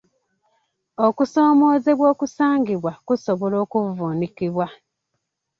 Okusomoozebwa okusangibwa kusobola okuvvuunukibwa.